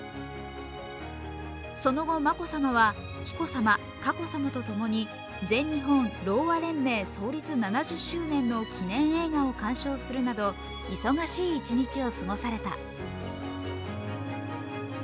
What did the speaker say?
その後、眞子さまは紀子さま、佳子さまとともに全日本ろうあ連盟創立７０周年の記念映画を鑑賞するなど忙しい一日を過ごされた。